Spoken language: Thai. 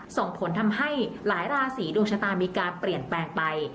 ส่งผลทำให้หลายราศีดวงชะตามีการเปลี่ยนแปลงไป